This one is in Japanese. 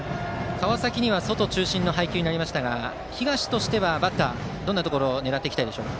川崎には外中心の配球になりましたが東としてはどんなところを狙っていきたいですか？